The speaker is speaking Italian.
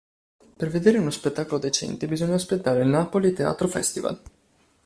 Per vedere uno spettacolo decente bisogna aspettare il Napoli Teatro Festival.